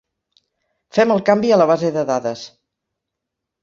Fem el canvi a la base de dades.